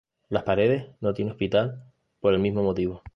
Las Paredes no tiene hospital por el mismo motivo.